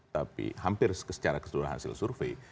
tapi hampir secara keseluruhan hasil survei